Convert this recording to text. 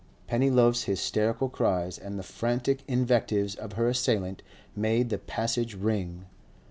Pennyloaf's hysterical cries and the frantic invectives of her assailant made the Passage ring.